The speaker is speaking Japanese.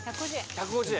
１５０円？